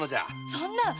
そんな！